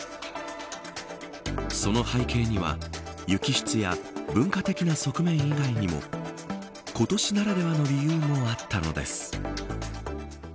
その背景には雪質や、文化的な側面以外にも今年ならではの理由もあったのです。